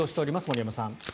森山さん。